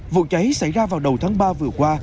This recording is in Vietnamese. vụ cháy xảy ra vào đầu tháng ba vừa qua